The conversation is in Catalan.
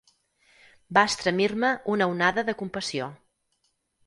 Va estremir-me una onada de compassió.